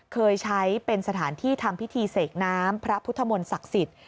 เคยใช้เป็นสถานที่ทำพิธีเสกน้ำพระพุทธมนต์ศักดิ์สิทธิ์